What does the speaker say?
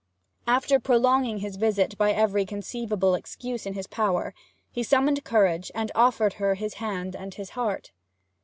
After prolonging his visit by every conceivable excuse in his power, he summoned courage, and offered her his hand and his heart.